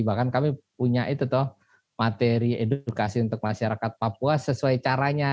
bahkan kami punya itu tuh materi edukasi untuk masyarakat papua sesuai caranya